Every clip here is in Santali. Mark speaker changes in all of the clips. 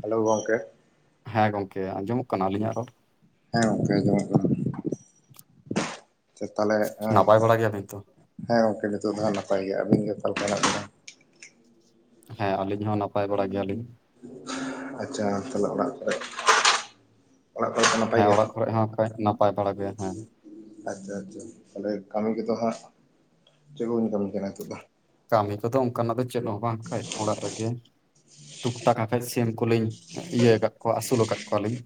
Speaker 1: ᱦᱮᱞᱳ ᱜᱚᱝᱠᱮ,
Speaker 2: ᱦᱮᱸ ᱜᱚᱝᱠᱮ ᱟᱸᱡᱚᱢᱚᱜ ᱠᱟᱱᱟ ᱟᱹᱞᱤᱧᱟᱜ ᱨᱚᱲ?
Speaker 1: ᱦᱮᱸ ᱜᱚᱝᱠᱮ ᱟᱡᱚᱢᱚᱜ ᱠᱟᱱᱟ ᱛᱟᱦᱚᱞᱮ ᱮᱸ
Speaker 2: ᱱᱟᱯᱟᱭ ᱵᱟᱲᱟ ᱜᱮᱭᱟᱵᱤᱱ ᱛᱚ?
Speaker 1: ᱦᱮᱸ ᱜᱚᱝᱠᱮ ᱱᱤᱛᱚᱜ ᱫᱚ ᱦᱟᱸᱜ ᱱᱟᱯᱟᱭ ᱜᱮ, ᱟᱹᱵᱤᱱ ᱜᱮ ᱚᱠᱟ ᱞᱮᱠᱟ ᱢᱮᱱᱟᱜ ᱵᱤᱱᱟ?
Speaker 2: ᱦᱮᱸ ᱟᱹᱞᱤᱧ ᱦᱚᱸ ᱱᱟᱯᱟᱭ ᱵᱟᱲᱟ ᱜᱮᱭᱟ ᱞᱤᱧ,
Speaker 1: ᱵᱤᱱᱟ ᱟᱪᱪᱷᱟ ᱛᱟᱦᱟᱞᱮ ᱚᱲᱟᱜ ᱠᱚ ᱨᱮ ᱚᱲᱟᱜ ᱠᱚ ᱨᱮ
Speaker 2: ᱦᱮᱸ ᱚᱲᱟᱜ ᱠᱚᱨᱮ ᱦᱚ ᱠᱚ ᱱᱟᱯᱟᱭ ᱵᱟᱲᱟ ᱜᱮᱭᱟ ᱦᱮᱸ
Speaker 1: ᱟᱪᱪᱷᱟ ᱟᱪᱪᱷᱟ ᱛᱟᱦᱞᱮ ᱠᱟᱢᱤ ᱠᱚᱸᱫᱚ ᱦᱟᱜ ᱪᱮᱫ ᱠᱚᱵᱮᱱ ᱠᱟᱢᱤ ᱠᱟᱱᱟ ᱱᱤᱛᱚᱜ ᱫᱚ
Speaker 2: ᱠᱟᱢᱤ ᱠᱚᱫᱚ ᱚᱱᱠᱟ ᱱᱟᱜ ᱫᱚ ᱪᱮᱫ ᱦᱚᱸ ᱵᱟᱝ ᱠᱷᱟᱡ ᱚᱲᱟᱜ ᱨᱮ ᱜᱮ ᱴᱩᱠ ᱴᱟᱠᱟ ᱠᱟᱡ ᱥᱤᱢ ᱠᱩᱞᱤᱧ ᱤᱭᱟᱹ ᱟᱠᱟᱫ ᱠᱚᱣᱟ ᱟᱹᱥᱩᱞ ᱟᱠᱟᱫ ᱠᱚᱣᱟ ᱞᱤᱧ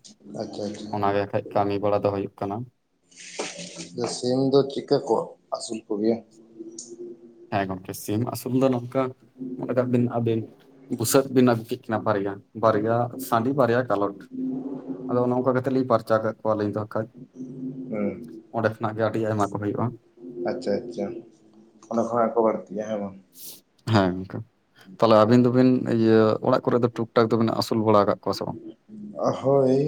Speaker 1: ᱟᱪᱪᱷᱟ
Speaker 2: ᱚᱱᱟ
Speaker 1: ᱟᱪᱪᱷᱟ
Speaker 2: ᱜᱮ ᱦᱟᱜ ᱠᱷᱟᱱ ᱠᱟᱢᱤ ᱵᱟᱲᱟ ᱫᱚ ᱦᱩᱭᱩᱜ ᱠᱟᱱᱟ
Speaker 1: ᱥᱤᱢ ᱫᱚ ᱪᱤᱠᱟᱹ ᱠᱚ ᱟᱹᱥᱩᱞ ᱠᱚᱜᱮᱭᱟ
Speaker 2: ᱦᱮᱸ ᱜᱚᱝᱠᱮ ᱥᱤᱢ ᱟᱥᱩᱞ ᱫᱚ ᱱᱚᱝᱠᱟ ᱢᱚᱱᱮ ᱠᱟᱜ ᱵᱤᱱ ᱟᱵᱤᱱ ᱵᱷᱩᱥᱟᱹᱜ ᱵᱤᱱ ᱟᱹᱜᱩ ᱠᱮᱫ ᱠᱤᱱᱟ ᱵᱷᱟᱨᱭᱟ ᱵᱟᱨᱭᱟ ᱥᱟᱺᱰᱤ ᱵᱟᱨᱭᱟ ᱡᱟᱞᱚᱴ ᱟᱫᱚ ᱚᱱᱮ ᱚᱱᱠᱟ ᱠᱟᱛᱮ ᱞᱤᱧ ᱯᱟᱨᱪᱟᱣ ᱠᱟᱜ ᱠᱚᱣᱟ ᱞᱤᱧ ᱫᱚ ᱠᱟᱡ
Speaker 1: ᱦᱮᱸ
Speaker 2: ᱚᱸᱰᱮ ᱠᱷᱚᱱᱟᱜ ᱜᱮ ᱟᱹᱰᱤ ᱟᱭᱢᱟ ᱠᱚ ᱦᱩᱭᱩᱜ-ᱟ
Speaker 1: ᱟᱪᱪᱷᱟ ᱟᱪᱪᱷᱟ ᱚᱱᱟᱰᱮ ᱠᱷᱚᱱᱟᱜ ᱠᱚ ᱵᱟᱹᱲᱛᱤᱜ ᱟ ᱦᱮᱸ ᱵᱟᱝ
Speaker 2: ᱦᱮᱸ ᱜᱚᱝᱠᱮ ᱛᱟᱦᱞᱮ ᱟᱵᱤᱱ ᱫᱚ ᱵᱤᱱ ᱤᱭᱟᱹ ᱚᱲᱟᱜ ᱠᱚᱨᱮ ᱫᱚ ᱴᱩᱠ ᱴᱟᱠ ᱫᱚᱵᱮᱱ ᱟᱹᱥᱩᱞ ᱵᱟᱲᱟ ᱟᱠᱟᱫ ᱠᱚᱣᱟ ᱥᱮ ᱵᱟᱝ
Speaker 1: ᱦᱳᱭ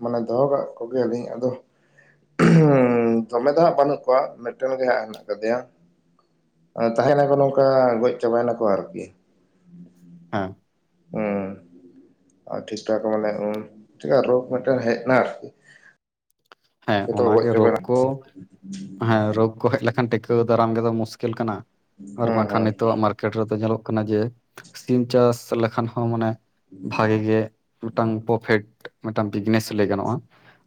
Speaker 1: ᱢᱟᱱᱮ ᱫᱚᱦᱚ ᱠᱟᱜ ᱠᱚᱜᱮᱭᱟᱞᱤᱧ ᱟᱫᱚ ᱫᱚᱢᱮ ᱫᱚ ᱦᱟᱜ ᱵᱟᱱᱩᱜ ᱠᱚᱣᱟ ᱢᱤᱫᱴᱮᱱ ᱜᱮ ᱦᱟᱜ ᱦᱮᱱᱟᱜ ᱟᱠᱟᱫᱤᱭᱟ ᱛᱟᱦᱮᱱᱟᱠᱚ ᱱᱚᱝᱠᱟ ᱜᱚᱡ ᱪᱟᱵᱟᱭᱮᱱᱟ ᱠᱚ ᱟᱨᱠᱤ
Speaker 2: ᱦᱮᱸ
Speaker 1: ᱦᱩᱸ ᱟᱨ ᱴᱷᱤᱠ ᱴᱷᱟᱠ ᱢᱟᱱᱮ ᱪᱤᱜ ᱠᱟ ᱨᱳᱠ ᱢᱤᱫᱴᱮᱱ ᱦᱮᱡ ᱮᱱᱟ ᱟᱨᱠᱤ
Speaker 2: ᱦᱮᱸ
Speaker 1: ᱡᱚᱛᱚ
Speaker 2: ᱚᱱᱟ
Speaker 1: ᱜᱚᱡ
Speaker 2: ᱜᱮ ᱨᱳᱠ
Speaker 1: ᱪᱟᱵᱟᱭᱱᱟ
Speaker 2: ᱠᱚ ᱦᱮᱸ ᱨᱳᱠ ᱜᱚᱡ ᱞᱮᱠᱷᱟᱱ ᱴᱤᱠᱟᱹᱣ ᱫᱟᱨᱟᱢ ᱜᱮᱛᱚ ᱢᱩᱥᱠᱤᱞ ᱠᱟᱱᱟ ᱟᱨ
Speaker 1: ᱦᱩᱸ ᱦᱩᱸ
Speaker 2: ᱵᱟᱝᱠᱷᱟᱱ ᱱᱤᱛᱚᱜ ᱟᱜ ᱢᱟᱨᱠᱮᱴ ᱨᱮᱫᱚ ᱧᱮᱞᱚᱜ ᱠᱟᱱᱟ ᱡᱮ ᱥᱤᱢ ᱪᱟᱥ ᱞᱮᱠᱷᱟᱱ ᱦᱚ ᱢᱟᱱᱮ ᱵᱷᱟᱜᱤ ᱜᱮ ᱢᱤᱫᱴᱟᱝ ᱯᱨᱚᱯᱷᱤᱴ ᱢᱤᱫᱴᱟᱝ ᱵᱤᱡᱽᱱᱮᱥ ᱞᱟᱹᱭ ᱜᱟᱱᱚᱜ-ᱟ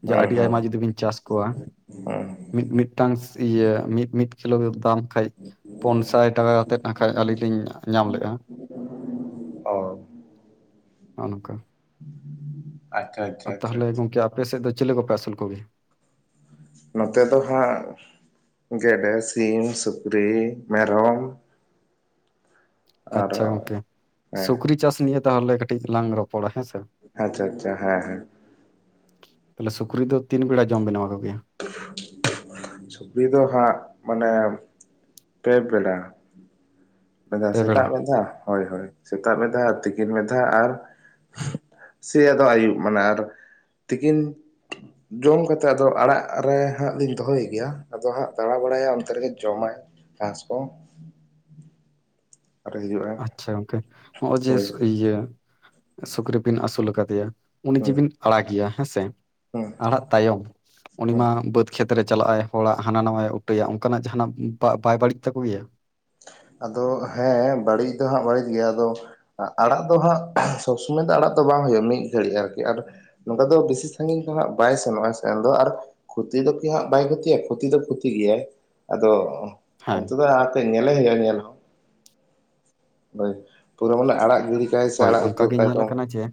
Speaker 1: ᱦᱩ ᱦᱩ
Speaker 2: ᱵᱤᱱ ᱪᱟᱥ ᱠᱚᱣᱟ ᱢᱤᱫ ᱢᱤᱫ ᱴᱟᱝ ᱤᱭᱟᱹ ᱢᱤᱫ ᱢᱤᱫ ᱠᱤᱞᱳ ᱫᱟᱢ ᱠᱷᱟᱡ ᱯᱳᱱ ᱥᱟᱭ ᱴᱟᱠᱟ ᱠᱟᱛᱮᱫ ᱟᱠᱷᱟᱡ ᱟᱹᱞᱤᱧ ᱞᱤᱧ ᱧᱟᱢ ᱞᱮᱜ-ᱟ
Speaker 1: ᱚ
Speaker 2: ᱚᱱᱠᱟ
Speaker 1: ᱦᱸ [inaudible] ᱟᱪᱪᱷᱟ
Speaker 2: ᱟᱨ ᱛᱟᱦᱚᱞᱮ ᱜᱚᱝᱠᱮ ᱟᱯᱮ ᱥᱮᱫ ᱫᱚ ᱪᱮᱞᱮ ᱠᱚᱯᱮ ᱟᱹᱥᱩᱞ ᱠᱚ ‌ᱜᱮᱭᱟ
Speaker 1: ᱱᱚᱛᱮ ᱫᱚ ᱦᱟᱸᱜ ᱜᱮᱰᱮ ᱥᱤᱢ ᱥᱩᱠᱨᱤ ᱢᱮᱨᱚᱢ
Speaker 2: ᱟᱪᱪᱷᱟ
Speaker 1: ᱟᱨᱚ
Speaker 2: ᱜᱚᱝᱠᱮ
Speaker 1: ᱦᱮᱸ
Speaker 2: ᱥᱩᱠᱨᱤ ᱪᱟᱥ ᱱᱤᱭᱮ ᱛᱟᱦᱚᱞᱮ ᱠᱟᱹᱴᱤᱡ ᱞᱟᱝ ᱨᱚᱯᱚᱲᱟ ᱦᱮᱸ ᱥᱮ
Speaker 1: ᱟᱪᱪᱷᱟ ᱟᱪᱪᱷᱟ ᱦᱮᱸ ᱦᱮᱸ
Speaker 2: ᱛᱟᱦᱚᱞᱮ ᱥᱩᱠᱨᱤ ᱫᱚ ᱛᱤᱱ ᱵᱮᱲᱟ ᱡᱚᱢ ᱵᱮᱱ ᱮᱢᱟᱠᱚᱜᱮᱭᱟ
Speaker 1: ᱥᱩᱠᱨᱩ ᱫᱚ ᱦᱟᱜ ᱢᱟᱱᱮ ᱯᱮ ᱵᱮᱲᱟ ᱢᱤᱫ ᱫᱷᱟᱣ
Speaker 2: ᱯᱮ
Speaker 1: ᱥᱮᱛᱟᱜ
Speaker 2: ᱵᱮᱲᱟ
Speaker 1: ᱢᱤᱫ ᱫᱷᱟᱣ ᱦᱳᱭ ᱦᱳᱭ ᱥᱮᱛᱟᱜ ᱢᱤᱫ ᱫᱷᱟᱣ ᱛᱤᱠᱤᱱ ᱢᱤᱫ ᱫᱷᱟᱣ ᱟᱨ ᱥᱮ ᱟᱫᱚ ᱟᱭᱩᱵ ᱢᱟᱱᱮ ᱟᱨ ᱛᱤᱠᱤᱱ ᱡᱚᱢ ᱠᱟᱛᱮᱫ ᱟᱫᱚ ᱟᱲᱟᱜ ᱨᱮ ᱦᱟᱜ ᱞᱤᱧ ᱫᱚᱦᱚ ᱜᱮᱭᱟ ᱟᱫᱚ ᱦᱟᱜ ᱫᱟᱬᱟ ᱵᱟᱲᱟᱭᱟ ᱚᱱᱛᱮ ᱨᱮᱜᱮ ᱡᱚᱢᱟᱭ [inaudible] ᱪᱟᱥ ᱠᱚ ᱟᱨ ᱦᱤᱡᱩᱜᱼᱟ
Speaker 2: ᱟᱪᱷᱟ ᱜᱚᱝᱠᱮ ᱱᱚᱜᱼᱚᱭ ᱡᱮ ᱥᱩᱠ
Speaker 1: ᱦᱳᱭ
Speaker 2: ᱤᱭᱟᱹ ᱥᱩᱠᱨᱤ ᱵᱤᱱ ᱟᱹᱥᱩᱞ ᱟᱠᱟᱫᱮᱭᱟ ᱩᱱᱤ
Speaker 1: ᱦᱩᱸ
Speaker 2: ᱡᱤᱵᱤᱱ ᱟᱲᱟᱜᱮᱭᱟ ᱦᱮᱸ ᱥᱮ
Speaker 1: ᱦᱩᱸ
Speaker 2: ᱟᱲᱟᱜ ᱛᱟᱭᱚᱢ ᱩᱱᱤ
Speaker 1: ᱦᱩᱸ
Speaker 2: ᱢᱟ ᱵᱟᱹᱫᱽ ᱠᱷᱮᱛ ᱨᱮ ᱪᱟᱞᱟᱜ-ᱟᱭ ᱦᱚᱲᱟᱜ ᱦᱟᱱᱟ ᱱᱟᱣᱟᱭ ᱩᱴᱟᱹᱭᱟ ᱚᱱᱠᱟᱱ ᱟᱜ ᱡᱟᱦᱟᱱᱟᱜ ᱵᱟᱭ ᱵᱟᱹᱲᱤᱡ ᱛᱟᱠᱚ ᱜᱮᱭᱟ
Speaker 1: ᱟᱫᱚ ᱦᱮᱸ ᱵᱟᱹᱲᱤᱡ ᱫᱚ ᱦᱟᱜ ᱵᱟᱹᱲᱤᱡ ᱜᱮᱭᱟ ᱟᱫᱚ ᱟᱲᱟᱜ ᱫᱚ ᱦᱟᱜ ᱥᱚᱵᱽ ᱥᱚᱢᱚᱭ ᱫᱚ ᱟᱲᱟᱜ ᱫᱚ ᱵᱟᱝ ᱦᱩᱭᱩᱜ-ᱟ ᱢᱤᱫ ᱜᱷᱟᱲᱤᱡ ᱟᱨᱠᱤ ᱟᱨ ᱱᱚᱝᱠᱟ ᱫᱚ ᱵᱮᱥᱤ ᱥᱟᱜᱤᱧ ᱫᱚ ᱦᱟᱜ ᱵᱟᱭ ᱥᱮᱱᱚᱜ-ᱟ ᱥᱮᱱ ᱫᱚ ᱟᱨ ᱠᱷᱚᱛᱤ ᱫᱚ ᱠᱤ ᱦᱟᱜ ᱵᱟᱭ ᱠᱷᱚᱛᱤᱭᱟ ᱠᱷᱚᱛᱤ ᱫᱚ ᱠᱷᱚᱛᱤ ᱜᱮᱭᱟᱭ ᱟᱫᱚ ᱚᱱᱛᱮ
Speaker 2: ᱦᱮᱸ
Speaker 1: ᱫᱚ ᱧᱮᱞᱮ ᱦᱳᱭᱳᱜ-ᱟ ᱧᱮᱞ ᱦᱚᱸ ᱯᱩᱨᱟᱹ ᱢᱟᱱᱮ ᱟᱲᱟᱜ ᱜᱤᱰᱤ ᱠᱟᱭ ᱥᱮ
Speaker 2: ᱦᱳᱭ
Speaker 1: ᱟᱲᱟᱜ
Speaker 2: ᱚᱱᱠᱟ
Speaker 1: ᱩᱛᱟᱹᱨ
Speaker 2: ᱜᱮ
Speaker 1: ᱠᱟᱭ
Speaker 2: ᱧᱮᱞ
Speaker 1: ᱫᱚ
Speaker 2: ᱟᱠᱟᱱᱟ ᱡᱮ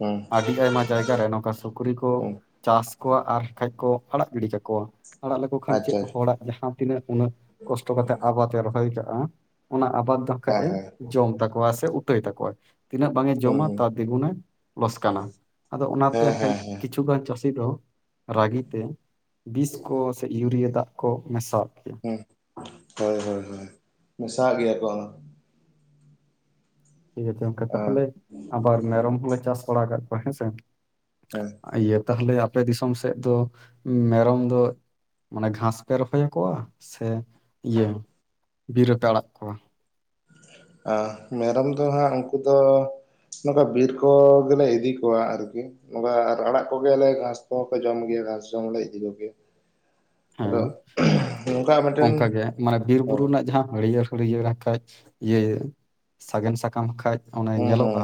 Speaker 1: ᱦᱩᱸ
Speaker 2: ᱟᱹᱰᱤ ᱟᱭᱢᱟ ᱡᱟᱭᱜᱟ ᱨᱮ ᱱᱚᱝᱠᱟ ᱥᱩ ᱛᱩᱲᱤ ᱠᱚ
Speaker 1: ᱦᱩᱸ
Speaker 2: ᱪᱟᱥ ᱠᱚᱣᱟ ᱟᱨ ᱠᱷᱟᱡ ᱠᱚ ᱟᱲᱟᱜ ᱜᱤᱰᱤ ᱠᱟᱠᱚᱣᱟ᱾ ᱟᱲᱟᱜ ᱞᱮᱠᱚ ᱠᱷᱟᱱ ᱪᱮᱫ
Speaker 1: ᱟᱪᱪᱷᱟ
Speaker 2: ᱦᱚᱲᱟᱜ ᱡᱟᱦᱟᱸ ᱛᱤᱱᱟᱹᱜ ᱩᱱᱟᱹᱜ ᱠᱚᱥᱴᱚ ᱠᱟᱛᱮ ᱟᱵᱟᱫ ᱮ ᱨᱚᱦᱚᱭ ᱠᱟᱜᱼᱟ ᱚᱱᱟ ᱟᱵᱟᱫᱽ ᱫᱚᱠᱟᱱᱡ
Speaker 1: ᱦᱮᱸ
Speaker 2: ᱮ
Speaker 1: ᱦᱮᱸ
Speaker 2: ᱡᱚᱢ ᱛᱟᱠᱚᱣᱟ ᱥᱮ ᱩᱴᱟᱹᱭ ᱛᱟᱠᱚᱣᱟ, ᱛᱤᱱᱟᱹᱜ ᱵᱟᱝ ᱮ
Speaker 1: ᱦᱩᱸ
Speaker 2: ᱡᱚᱢᱟ
Speaker 1: ᱦᱩᱸ
Speaker 2: ᱛᱟᱨ ᱫᱤᱜᱩᱱᱮ ᱞᱚᱥᱠᱟᱱᱟ᱾ ᱟᱫᱚ ᱚᱱᱟ ᱛᱮ
Speaker 1: ᱦᱮᱸ
Speaker 2: ᱦᱮᱡ
Speaker 1: ᱦᱮᱸ ᱦᱮᱸ
Speaker 2: ᱠᱤᱪᱷᱩᱜᱟᱱ ᱪᱟᱹᱥᱤ ᱫᱚ ᱨᱟᱹᱜᱤᱛᱮ ᱵᱤᱥ ᱠᱚ ᱥᱮ ᱤᱭᱩᱨᱤᱭᱟᱹ ᱫᱟᱜ ᱠᱚ ᱢᱮᱥᱟᱼᱟᱜ ᱠᱮᱭᱟ᱾
Speaker 1: ᱦᱩᱸ, ᱦᱳᱭ ᱦᱳᱭ ᱦᱳᱭ ᱢᱮᱥᱟᱣᱟᱜ ᱜᱮᱭᱟ ᱠᱚ᱾
Speaker 2: ᱴᱷᱤᱠ ᱟᱪᱷᱮ ᱚᱝᱠᱮ
Speaker 1: ᱦᱮᱸ
Speaker 2: ᱛᱟᱦᱚᱞᱮ ᱟᱵᱟᱨ ᱢᱮᱨᱚᱢ ᱦᱚᱸᱞᱮ ᱪᱟᱥ ᱵᱟᱲᱟ ᱟᱠᱟᱜ ᱠᱚᱣᱟ ᱦᱮᱸᱥᱮ᱾
Speaker 1: ᱦᱮᱸ
Speaker 2: ᱤᱭᱟᱹ ᱛᱟᱦᱚᱞᱮ ᱟᱯᱮ ᱫᱤᱥᱚᱢ ᱥᱮᱫ ᱫᱚ ᱢᱮᱨᱚᱢ ᱫᱚ ᱢᱟᱱᱮ ᱜᱷᱟᱥ ᱯᱮ ᱨᱚᱦᱚᱭᱟ ᱠᱚᱣᱟ ᱥᱮ ᱤᱭᱟᱹ ᱵᱤᱨ ᱨᱮᱯᱮ ᱟᱲᱟᱜ ᱠᱚᱣᱟ᱾
Speaker 1: ᱟᱹ ᱢᱮᱨᱚᱢ ᱫᱚ ᱦᱟᱸᱜ ᱩᱱᱠᱩ ᱫᱚ ᱱᱚᱝᱠᱟ ᱵᱤᱨ ᱠᱚ ᱜᱮᱞᱮ ᱤᱫᱤ ᱠᱚᱣᱟ ᱟᱨᱠᱤ᱾ ᱚᱱᱠᱟ ᱟᱨ ᱟᱲᱟᱜ ᱠᱚ ᱜᱮᱭᱟᱞᱮ ᱜᱷᱟᱥ ᱠᱚᱦᱚᱸ ᱠᱚ ᱡᱚᱢ ᱜᱮᱭᱟ, ᱜᱷᱟᱥ ᱡᱚᱢ ᱦᱚᱸᱞᱮ ᱤᱫᱤ ᱠᱚ ᱜᱮᱭᱟ᱾
Speaker 2: ᱦᱮᱸ ᱚᱝᱠᱟ ᱜᱮ ᱢᱟᱱᱮ
Speaker 1: ᱦᱳᱭ
Speaker 2: ᱵᱤᱨᱼᱵᱩᱨᱩ ᱨᱮᱱᱟᱜ ᱡᱟᱦᱟᱸ ᱦᱟᱹᱲᱭᱟᱹᱨ ᱦᱟᱹᱲᱭᱟᱹᱨ ᱟᱠᱷᱟᱡ ᱤᱭᱟᱹ ᱥᱟᱜᱮᱱ ᱥᱟᱠᱟᱢ ᱠᱷᱟᱡ ᱚᱱᱮ
Speaker 1: ᱦᱩᱸ ᱦᱩᱸ
Speaker 2: ᱧᱮᱞᱚᱜᱼᱟ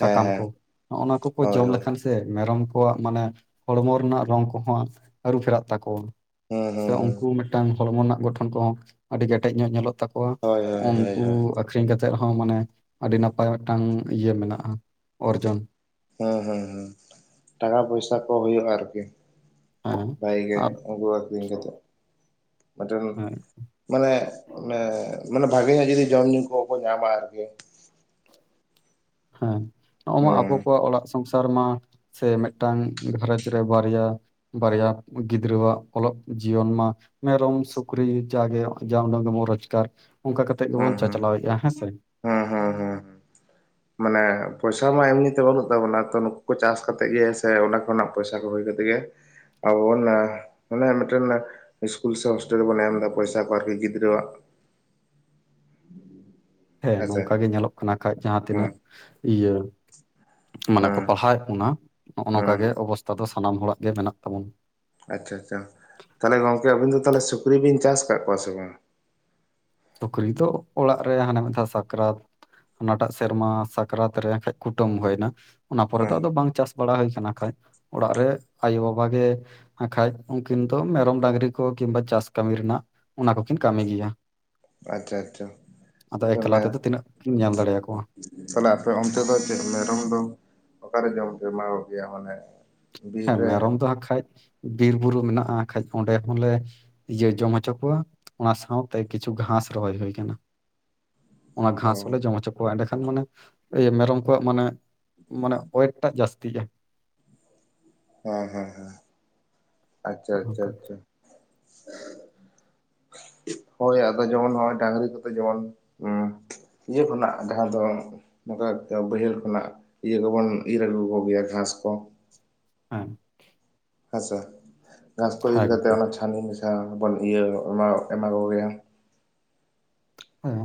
Speaker 1: ᱦᱮᱸ
Speaker 2: ᱥᱟᱠᱟᱢ
Speaker 1: ᱦᱮᱸ
Speaker 2: ᱠᱚ ᱱᱚᱜᱼᱱᱟ ᱠᱚᱠᱚ
Speaker 1: ᱦᱳᱭ
Speaker 2: ᱡᱚᱢ
Speaker 1: ᱦᱳᱭ
Speaker 2: ᱞᱮᱠᱷᱟᱱ ᱥᱮ ᱢᱮᱨᱚᱢ ᱠᱚᱣᱟᱜ ᱢᱟᱱᱮ ᱦᱚᱲᱢᱚ ᱨᱮᱱᱟᱜ ᱨᱚᱝ ᱠᱚᱦᱚᱸ ᱟᱹᱨᱩ ᱯᱷᱮᱨᱟᱜ ᱛᱟᱠᱚᱣᱟ᱾
Speaker 1: ᱦᱩᱸ
Speaker 2: ᱥᱮ
Speaker 1: ᱦᱩᱸ ᱦᱩᱸ
Speaker 2: ᱩᱱᱠᱩ ᱢᱤᱫ ᱴᱟᱝ ᱦᱚᱲᱢᱚ ᱨᱮᱱᱟᱜ ᱜᱚᱴᱷᱚᱱ ᱠᱚᱦᱚᱸ ᱟᱹᱰᱤ ᱠᱮᱴᱮᱡ ᱧᱚᱜ ᱧᱮᱞᱚᱜ ᱛᱟᱠᱚᱣᱟ
Speaker 1: ᱦᱳᱭ ᱦᱳᱭ ᱦᱳᱭ
Speaker 2: ᱩᱱᱠᱩ
Speaker 1: ᱦᱳᱭ
Speaker 2: ᱟᱹᱠᱷᱨᱤᱧ ᱠᱟᱛᱮ ᱦᱚᱸ ᱢᱟᱱᱮ ᱟᱹᱰᱤ ᱱᱟᱯᱟᱭ ᱢᱤᱫ ᱴᱟᱝ ᱤᱭᱟᱹ ᱢᱮᱱᱟᱜᱼᱟ ᱚᱨᱡᱚᱱ
Speaker 1: ᱦᱮᱸ ᱦᱮᱸ ᱦᱮᱸ ᱴᱟᱠᱟ ᱯᱚᱭᱥᱟ ᱠᱚ ᱦᱩᱭᱩᱜᱼᱟ ᱟᱨᱠᱤ
Speaker 2: ᱦᱮᱸ
Speaker 1: ᱵᱟᱭ ᱜᱮ
Speaker 2: ᱟᱨ
Speaker 1: ᱩᱱᱠᱩ ᱟᱺᱠᱷᱨᱤᱧ ᱠᱟᱛᱮ
Speaker 2: ᱦᱮᱸ
Speaker 1: [unintelligible] ᱢᱟᱱᱮ ᱢᱟᱱᱮ ᱵᱷᱟᱹᱜᱮ ᱧᱚᱜ ᱡᱚᱫᱤ ᱡᱚᱢ ᱧᱩ ᱠᱚᱠᱚ ᱧᱟᱢᱟ᱾ ᱟᱨᱠᱤ
Speaker 2: ᱦᱮᱸ ᱱᱚᱜ ᱢᱟ ᱟᱵᱚ
Speaker 1: ᱦᱩᱸ
Speaker 2: ᱠᱚᱣᱟᱜ ᱚᱲᱟᱜ ᱥᱚᱝᱥᱟᱨ ᱨᱮᱢᱟ᱾ ᱥᱮ ᱢᱮᱫᱴᱟᱝ ᱜᱷᱟᱨᱚᱸᱡᱽ ᱨᱮ ᱵᱟᱨᱭᱟ ᱵᱟᱨᱭᱟ ᱜᱤᱫᱽᱨᱟᱹᱣᱟᱜ ᱚᱞᱚᱜ ᱡᱤᱭᱚᱱ ᱢᱟ ᱢᱮᱨᱚᱢ ᱥᱩᱠᱨᱤ ᱡᱟᱜᱮ ᱡᱟ ᱩᱰᱟᱹᱝ ᱜᱮᱵᱚᱱ ᱨᱳᱡᱽᱜᱟᱨ ᱚᱱᱠᱟ ᱠᱟᱛᱮ ᱜᱮᱵᱚᱱ ᱪᱟᱪᱞᱟᱣᱮᱫᱼᱟ, ᱦᱮᱸᱥᱮ
Speaker 1: ᱦᱮᱸ ᱦᱮᱸ ᱦᱮᱸ ᱢᱟᱱᱮ ᱯᱚᱭᱥᱟ ᱢᱟ ᱮᱢᱱᱤᱛᱮ ᱵᱟᱹᱱᱩᱜ ᱛᱟᱵᱚᱱᱟ, ᱛᱚ ᱱᱩᱠᱩ ᱠᱚ ᱪᱟᱥ ᱠᱟᱛᱮ ᱜᱮ ᱥᱮ ᱚᱱᱟ ᱠᱷᱚᱱᱟᱜ ᱯᱚᱭᱥᱟ ᱠᱚ ᱦᱩᱭ ᱠᱟᱛᱮ ᱜᱮ ᱟᱵᱚᱱᱟ ᱚᱱᱮ ᱢᱤᱫᱴᱟᱹᱱ ᱤᱥᱠᱩᱞ ᱥᱮ ᱦᱳᱥᱴᱮᱞ ᱨᱮᱵᱚᱱ ᱮᱢ ᱮᱫᱟ ᱯᱚᱭᱥᱟ ᱠᱚ ᱟᱨᱠᱤ ᱜᱤᱫᱽᱨᱟᱹᱣᱟᱜ ᱾ [inaudible]
Speaker 2: ᱦᱮᱸ ᱱᱚᱝᱠᱟ ᱜᱮ ᱧᱮᱞᱚᱜ ᱠᱟᱱᱟ ᱠᱷᱟᱡ ᱡᱟᱦᱟᱸ
Speaker 1: ᱦᱩᱸ
Speaker 2: ᱛᱤᱱᱟᱹᱜ ᱤᱭᱟᱹ ᱢᱟᱱᱮ ᱠᱚ
Speaker 1: ᱦᱩᱸ
Speaker 2: ᱯᱟᱲᱦᱟᱣᱮᱫ ᱵᱚᱱᱟ ᱱᱚᱜᱼᱚ
Speaker 1: ᱦᱩᱸ
Speaker 2: ᱱᱚᱝᱠᱟ ᱜᱮ ᱚᱵᱚᱥᱛᱷᱟ ᱫᱚ ᱥᱟᱱᱟᱢ ᱦᱚᱲᱟᱜ ᱜᱮ ᱢᱮᱱᱟᱜ ᱛᱟᱵᱚᱱᱟ᱾
Speaker 1: ᱟᱪᱪᱷᱟ ᱟᱪᱪᱷᱟ ᱛᱟᱦᱚᱞᱮ ᱜᱚᱝᱠᱮ ᱟᱵᱤᱱ ᱫᱚ ᱛᱟᱦᱚᱞᱮ ᱥᱩᱠᱨᱤ ᱵᱤᱱ ᱪᱟᱥ ᱟᱠᱟᱫ ᱠᱚᱣᱟ ᱥᱮ ᱵᱟᱝᱼᱟ?
Speaker 2: ᱥᱩᱠᱨᱤ ᱫᱚ ᱚᱲᱟᱜ ᱨᱮ ᱦᱟᱱᱮ ᱢᱤᱫ ᱫᱷᱟᱣ ᱥᱟᱠᱨᱟᱛ ᱦᱟᱱᱟᱴᱟᱜ ᱥᱮᱨᱢᱟ ᱥᱟᱠᱨᱟᱛ ᱨᱮ ᱮᱱᱠᱷᱟᱡ ᱠᱩᱴᱟᱹᱢ ᱦᱳᱭᱱᱟ᱾ ᱚᱱᱟ ᱯᱚᱨᱮ ᱫᱚ
Speaker 1: ᱦᱩᱸ
Speaker 2: ᱟᱫᱚ ᱵᱟᱝ ᱪᱟᱥ ᱵᱟᱲᱟ ᱦᱩᱭ ᱠᱟᱱᱟ ᱠᱷᱟᱡ, ᱚᱲᱟᱜ ᱨᱮ ᱟᱭᱳᱼᱵᱟᱵᱟ ᱜᱮ ᱟᱠᱷᱟᱡ ᱩᱱᱠᱤᱱ ᱫᱚ ᱢᱮᱨᱚᱢ ᱰᱟᱝᱨᱤ ᱠᱚ ᱠᱤᱢᱵᱟ ᱪᱟᱥ ᱠᱟᱹᱢᱤ ᱨᱮᱱᱟᱜ ᱚᱱᱟ ᱠᱚᱠᱤᱱ ᱠᱟᱹᱢᱤ ᱜᱮᱭᱟ᱾
Speaker 1: ᱟᱪᱪᱷᱟ ᱟᱪᱪᱷᱟ
Speaker 2: ᱟᱫᱚ ᱮᱠᱷᱞᱟ
Speaker 1: ᱛᱚᱵᱮ
Speaker 2: ᱛᱮᱫᱚ ᱛᱤᱱᱟᱹᱜ ᱠᱤᱱ ᱧᱮᱞ ᱫᱟᱲᱮᱭᱟ ᱠᱚᱣᱟ᱾
Speaker 1: ᱛᱟᱦᱚᱞᱮ ᱟᱯᱮ ᱚᱱᱛᱮ ᱫᱚ ᱪᱮᱫ ᱢᱮᱨᱚᱢ ᱫᱚ ᱚᱠᱟᱨᱮ ᱡᱚᱢ ᱯᱮ ᱮᱢᱟ ᱠᱚ ᱜᱮᱭᱟ ᱢᱟᱱᱮ ᱵᱤᱨ
Speaker 2: ᱦᱮᱸ
Speaker 1: ᱨᱮ
Speaker 2: ᱢᱮᱨᱚᱢ ᱫᱚ ᱦᱟᱸᱜ ᱠᱷᱟᱡ ᱵᱤᱨᱼᱵᱩᱨᱩ ᱢᱮᱱᱟᱜᱼᱟ ᱟᱠᱷᱟᱡ ᱚᱸᱰᱮ ᱦᱚᱸᱞᱮ ᱤᱭᱟᱹ ᱡᱚᱢ ᱦᱚᱪᱚ ᱠᱚᱣᱟ, ᱚᱱᱟ ᱥᱟᱶᱛᱮ ᱠᱤᱪᱷᱩ ᱜᱷᱟᱸᱥ ᱨᱚᱦᱚᱭ ᱦᱩᱭ ᱟᱠᱟᱱᱟ᱾ ᱚᱱᱟ
Speaker 1: ᱚ
Speaker 2: ᱜᱷᱟᱸᱥ ᱦᱚᱸᱞᱮ ᱡᱚᱢ ᱦᱚᱪᱚ ᱠᱚᱣᱟ᱾ ᱮᱸᱰᱮ ᱠᱷᱟᱱ ᱢᱟᱱᱮ ᱤᱭᱟᱹ ᱢᱮᱨᱚᱢ ᱠᱚᱣᱟᱜ ᱢᱟᱱᱮ ᱢᱟᱱᱮ ᱚᱭᱮᱠᱴᱟᱜ ᱡᱟᱹᱥᱛᱤᱜᱼᱟ᱾
Speaker 1: ᱦᱮᱸ ᱦᱮᱸ ᱦᱮᱸ ᱟᱪᱪᱷᱟ
Speaker 2: ᱱᱚᱜᱼᱚ
Speaker 1: ᱟᱪᱷᱟ
Speaker 2: ᱱᱚᱝᱠᱟ
Speaker 1: ᱟᱪᱷᱟ [inaudible] ᱦᱳᱭ ᱟᱫᱚ ᱡᱚᱢᱚᱱ ᱱᱚᱜᱼᱚᱭ ᱰᱟᱝᱨᱤ ᱠᱚᱫᱚ ᱡᱚᱢᱚᱱ ᱦᱸ ᱤᱭᱟᱹ ᱠᱷᱚᱱᱟᱜ ᱡᱟᱦᱟᱸ ᱫᱚ ᱱᱚᱝᱠᱟ [inaudible] ᱵᱟᱹᱭᱦᱟᱹᱲ ᱠᱷᱚᱱᱟᱜ ᱤᱭᱟᱹ ᱠᱚᱵᱚᱱ ᱤᱨ ᱟᱹᱜᱩ ᱠᱚᱜᱮᱭᱟ ᱜᱷᱟᱸᱥ ᱠᱚ
Speaker 2: ᱦᱮᱸ
Speaker 1: ᱟᱪᱷᱟ ᱜᱷᱟᱸᱥ ᱠᱚ ᱤᱨ
Speaker 2: ᱦᱮᱸ
Speaker 1: ᱠᱟᱛᱮ
Speaker 2: ᱜᱚᱝᱠᱮ
Speaker 1: ᱚᱱᱟ ᱪᱷᱟᱹᱱᱤ ᱢᱮᱥᱟ ᱵᱚᱱ ᱤᱭᱟᱹ ᱮᱢᱟ ᱮᱢᱟ ᱠᱚ ᱜᱮᱭᱟ
Speaker 2: ᱦᱚᱭ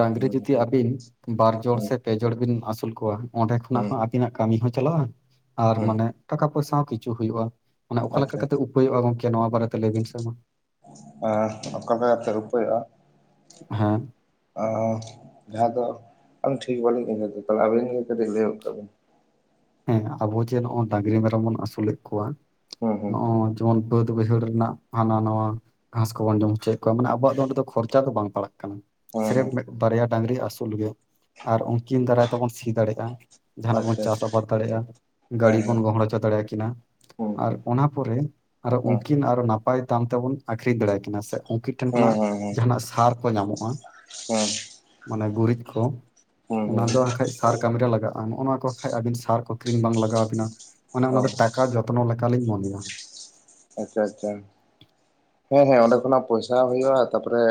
Speaker 2: ᱰᱟᱝᱨᱤ
Speaker 1: ᱦᱩᱸ
Speaker 2: ᱡᱩᱫᱤ
Speaker 1: ᱦᱩᱸ
Speaker 2: ᱟᱵᱤᱱ ᱵᱟᱨ ᱡᱚᱲ
Speaker 1: ᱦᱩᱸ
Speaker 2: ᱥᱮ ᱯᱮ ᱡᱚᱲ ᱵᱤᱱ ᱟᱹᱥᱩᱞ ᱠᱚᱣᱟ᱾ ᱚᱸᱰᱮ ᱠᱷᱚᱱᱟᱜ
Speaker 1: ᱦᱩᱸ
Speaker 2: ᱦᱚᱸ ᱟᱹᱵᱤᱱᱟᱜ ᱠᱟᱹᱢᱤ ᱦᱚᱸ ᱪᱟᱞᱟᱜ-ᱟ᱾ ᱟᱨ
Speaker 1: ᱦᱩᱸ
Speaker 2: ᱢᱟᱱᱮ ᱴᱟᱠᱟ ᱯᱚᱭᱥᱟ ᱦᱚᱸ ᱠᱤᱪᱷᱩ ᱦᱩᱭᱩᱜ-ᱟ᱾ ᱚᱱᱮ ᱚᱠᱟ ᱞᱮᱠᱟ
Speaker 1: ᱟᱪᱪᱷᱟ
Speaker 2: ᱠᱟᱛᱮ ᱩᱯᱟᱹᱭᱚᱜ-ᱟ ᱜᱚᱢᱠᱮ ᱱᱚᱣᱟ ᱵᱟᱨᱮᱛᱮ ᱞᱟᱹᱭ ᱵᱤᱱ ᱥᱮ?
Speaker 1: ᱟ ᱚᱠᱟ ᱵᱮᱲᱟ ᱛᱮ ᱨᱩᱯᱟᱹᱭᱚᱜ-ᱟ᱾
Speaker 2: ᱦᱮᱸ
Speaker 1: ᱟ ᱡᱟᱦᱟᱸ ᱫᱚ ᱟᱹᱞᱤᱧ ᱴᱷᱤᱠ ᱵᱟᱞᱤᱧ ᱟᱹᱭᱡᱟᱹᱣᱫᱟ ᱛᱟᱦᱚᱞᱮ ᱟᱹᱵᱤᱱ ᱜᱮ ᱠᱟᱹᱴᱤᱡ ᱞᱟᱹᱭ ᱜᱚᱫ ᱠᱟᱜ ᱵᱤᱱ
Speaker 2: ᱦᱮᱸ ᱟᱵᱚ ᱡᱮ ᱱᱚᱜ-ᱚᱭ ᱰᱟᱝᱨᱤ ᱢᱮᱨᱚᱢ ᱵᱚᱱ ᱟᱥᱩᱞᱮᱫ ᱠᱚᱣᱟ᱾
Speaker 1: ᱦᱩᱸ ᱦᱩᱸ
Speaker 2: ᱱᱚᱜ-ᱚᱭ ᱚᱱ ᱵᱟᱹᱫ ᱵᱟᱹᱭᱦᱟᱹᱲ ᱨᱮᱱᱟᱜ ᱦᱟᱱᱟ ᱱᱟᱣᱟ᱾ ᱜᱷᱟᱸᱥ ᱠᱚᱵᱚᱱ ᱡᱚᱢ ᱚᱪᱚᱭᱮᱜ ᱠᱚᱣᱟ ᱾ ᱢᱟᱱᱮ ᱟᱵᱚᱣᱟᱜ ᱫᱚ ᱚᱸᱰᱮ ᱫᱚ ᱠᱷᱚᱨᱪᱟ ᱫᱚ ᱵᱟᱝ ᱯᱟᱲᱟᱜ ᱠᱟᱱᱟ ᱾
Speaker 1: ᱦᱩᱸ
Speaker 2: ᱥᱨᱮᱯ
Speaker 1: ᱦᱩᱸ
Speaker 2: ᱢᱤᱵᱟᱨᱭᱟ ᱰᱟᱝᱨᱤ ᱟᱹᱥᱩᱞ ᱜᱮ᱾ ᱟᱨ ᱩᱱᱠᱤᱱ ᱫᱟᱨᱟᱭ ᱛᱮᱵᱚᱱ ᱥᱤ ᱫᱟᱲᱮᱜ-ᱟ ᱡᱟᱦᱟᱱᱟᱜ ᱵᱚᱱ
Speaker 1: ᱟᱪᱪᱷᱟ
Speaker 2: ᱪᱟᱥ
Speaker 1: ᱟᱪᱪᱷᱟ
Speaker 2: ᱟᱵᱟᱫ ᱫᱟᱲᱮᱭᱟᱜ-ᱟ ᱜᱟᱹᱰᱤ
Speaker 1: ᱦᱮᱸ
Speaker 2: ᱵᱚᱱ
Speaker 1: ᱦᱮᱸ
Speaker 2: ᱜᱚᱦᱚᱲ ᱦᱚᱪᱚ ᱫᱟᱲᱮᱭᱟᱠᱤᱱᱟ᱾
Speaker 1: ᱦᱩᱸ
Speaker 2: ᱟᱨ ᱚᱱᱟ ᱯᱚᱨᱮ, ᱟᱨᱚ
Speaker 1: ᱦᱩᱸ
Speaker 2: ᱩᱱᱠᱤᱱ ᱟᱨᱚ ᱱᱟᱯᱟᱭ ᱫᱟᱢ ᱛᱮᱵᱚᱱ ᱟᱹᱠᱷᱨᱤᱧ ᱫᱟᱲᱮᱭᱟ ᱠᱤᱱᱟ ᱥᱮ ᱩᱝᱠᱤᱱ ᱢᱤᱫ ᱴᱷᱮᱱ ᱠᱷᱚᱱᱟᱜ
Speaker 1: ᱦᱩᱸ ᱦᱩᱸ
Speaker 2: ᱡᱟᱦᱟᱱᱟᱜ ᱥᱟᱨ ᱠᱚ ᱧᱟᱢᱚᱜ-ᱟ᱾
Speaker 1: ᱦᱩᱸ
Speaker 2: ᱢᱟᱱᱮ ᱜᱩᱨᱤᱡ ᱠᱩ᱾
Speaker 1: ᱦᱩᱸ ᱦᱩᱸ
Speaker 2: ᱚᱱᱟ ᱫᱚ
Speaker 1: ᱦᱩᱸ
Speaker 2: ᱟᱠᱷᱟᱡ ᱥᱟᱨ ᱠᱟᱹᱢᱤ ᱨᱮ ᱞᱟᱜᱟᱜ-ᱟ᱾ ᱱᱚᱜ-ᱚᱭ ᱱᱚᱣᱟ ᱠᱚ ᱠᱷᱟᱡ ᱟᱵᱤᱱ ᱥᱟᱨ ᱠᱚ ᱠᱤᱨᱤᱧ ᱵᱟᱝ ᱞᱟᱜᱟᱣ ᱵᱤᱱᱟ᱾ ᱢᱟᱱᱮ ᱚᱱᱟ
Speaker 1: ᱚ
Speaker 2: ᱫᱚ ᱴᱟᱠᱟ ᱡᱚᱛᱱᱚ ᱞᱮᱠᱟᱞᱤᱧ ᱢᱚᱱᱮᱭᱟ᱾
Speaker 1: ᱟᱪᱪᱷᱟ - ᱟᱪᱪᱷᱟ ᱦᱮᱸᱻ ᱦᱮᱸ ᱚᱸᱰᱮ ᱠᱷᱚᱱᱟᱜ ᱯᱚᱭᱥᱟ ᱦᱩᱭᱩᱜ-ᱟ ᱛᱟᱯᱚᱨᱮ